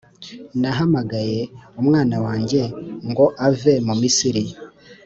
nahamagaye umwana wanjye ngo ave mu Misiri.